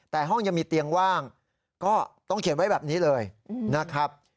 แต่ห้องยังมีเตียงว่างก็ต้องเขียนไว้แบบนี้เลยนะครับ